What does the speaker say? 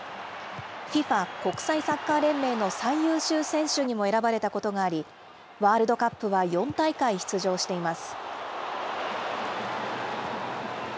ＦＩＦＡ・国際サッカー連盟の最優秀選手にも選ばれたことがあり、ワールドカップは４大会出場しています。